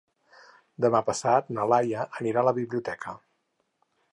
Demà passat na Laia anirà a la biblioteca.